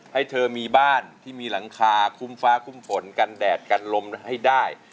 ให้เธอมีบ้านที่มีหลังคาคุ้มฟ้าคุ้มฝนกันแดดกันลมให้ได้